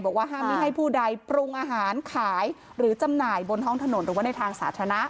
ห้ามไม่ให้ผู้ใดปรุงอาหารขายหรือจำหน่ายบนท้องถนนหรือว่าในทางสาธารณะ